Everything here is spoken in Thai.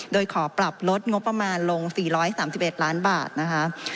โดยขอปรับลดงบประมาณลงสี่ร้อยสามสิบเอ็ดล้านบาทนะคะ